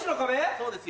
そうですよ。